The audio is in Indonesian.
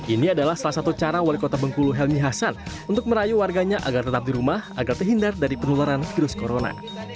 ini adalah salah satu cara wali kota bengkulu helmi hasan untuk merayu warganya agar tetap di rumah agar terhindar dari penularan virus corona